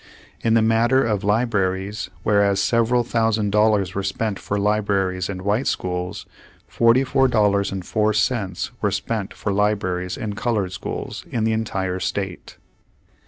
In the matter of libraries, whereas several thousand dollars were spent for libraries in white schools, $44.04 were spent for libraries in colored schools in the entire state.